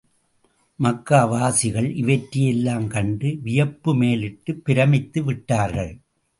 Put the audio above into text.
மக்கா வாசிகள், இவற்றையெல்லாம் கண்டு வியப்பு மேலிட்டு, பிரமித்து விட்டார்கள்.